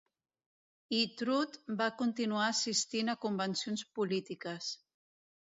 I Trout va continuar assistint a convencions polítiques.